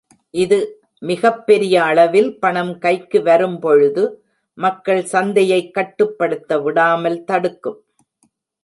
இது, மிகப்பெரிய அளவில் பணம் கைக்கு வரும்பொழுது, மக்கள் சந்தையைக் கட்டுப்படுத்த விடாமல் தடுக்கும்.